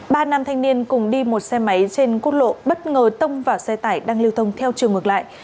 ba nam thanh niên cùng đi một xe máy trên quốc lộ bất ngờ tông vào xe tải đang lưu thông theo chiều ngược lại